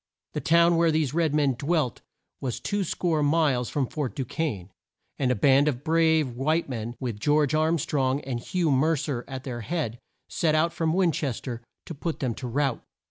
The town where these red men dwelt was two score miles from Fort Du quesne, and a band of brave white men, with John Arm strong and Hugh Mer cer at their head, set out from Win ches ter to put them to rout.